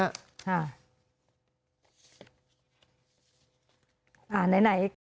อ่าไหน